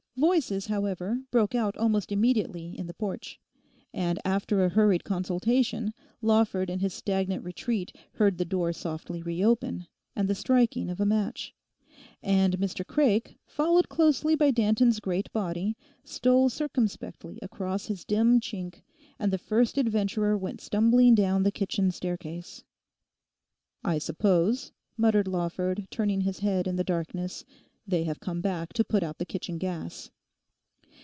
Voices, however, broke out almost immediately in the porch. And after a hurried consultation, Lawford in his stagnant retreat heard the door softly reopen, and the striking of a match. And Mr Craik, followed closely by Danton's great body, stole circumspectly across his dim chink, and the first adventurer went stumbling down the kitchen staircase. 'I suppose,' muttered Lawford, turning his head in the darkness, 'they have come back to put out the kitchen gas.